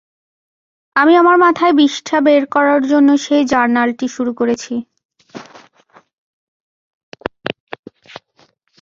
আমি আমার মাথায় বিষ্ঠা বের করার জন্য সেই জার্নালটি শুরু করেছি।